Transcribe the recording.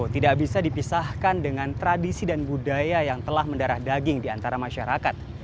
kita akan direbutkan dengan tradisi dan budaya yang telah mendarah daging diantara masyarakat